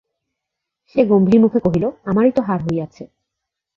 সে গম্ভীরমুখে কহিল, আমারই তো হার হইয়াছে।